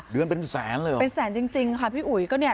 เดือนเป็นแสนเลยเป็นแสนจริงค่ะพี่อุ๋ย